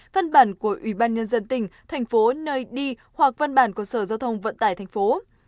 văn bản của ủy ban nhân dân tỉnh thành phố nơi đi hoặc văn bản của sở giao thông vận tải thành phố